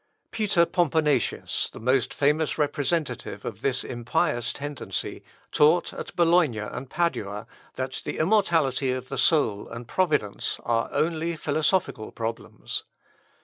Peter Pomponatius, the most famous representative of this impious tendency, taught at Bologna and Padua, that the immortality of the soul and providence are only philosophical problems.